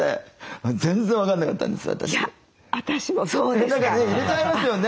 何かね入れちゃいますよね。